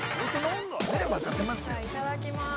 ◆いただきます。